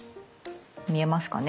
見えますかね？